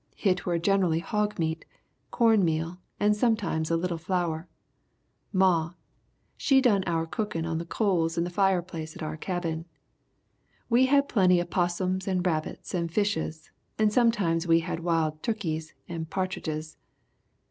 Hit were generally hog meat, corn meal and sometimes a little flour. Maw, she done our cookin' on the coals in the fireplace at our cabin. We had plenty of 'possums and rabbits and fishes and sometimes we had wild tukkeys and partidges.